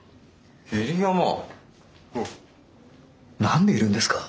何でいるんですか？